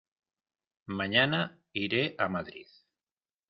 Mañana iré a Madrid.